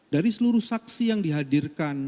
dari seluruh saksi yang dihadirkan